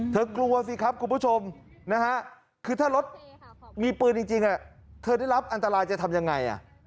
กลัวสิครับคุณผู้ชมนะฮะคือถ้ารถมีปืนจริงเธอได้รับอันตรายจะทำยังไง